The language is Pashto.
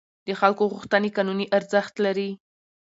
د خلکو غوښتنې قانوني ارزښت لري.